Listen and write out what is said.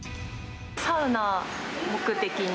サウナを目的に。